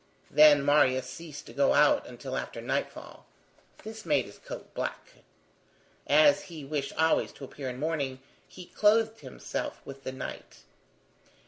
Then Marius ceased to go out until after nightfall. This made his coat black. As he wished always to appear in mourning, he clothed himself with the night.